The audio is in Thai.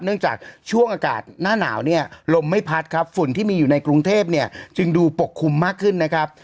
เนื่องจากช่วงอากาศหน้าหนาวเนี่ยลมไม่พัดครับฝุ่นที่มีอยู่ในกรุงเทพเนี่ยจึงดูปกคลุมมากขึ้นนะครับ